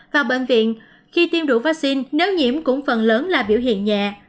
vào bệnh viện khi tiêm đủ vaccine nếu nhiễm cũng phần lớn là biểu hiện nhẹ